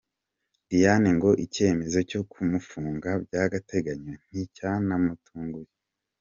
Diane ngo Ikemezo cyo kumufunga by’agateganyo nticyanamutunguye